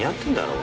俺。